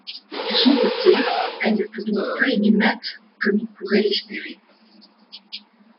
De son côté, elle ne peut donc pas aimer Matt comme il pourrait l'espérer.